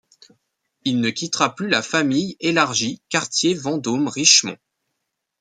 Il ne quittera plus la famille élargie Cartier-Vendôme-Richemont.